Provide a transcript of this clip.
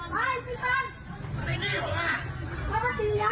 ท่านดูเหตุการณ์ก่อนนะครับ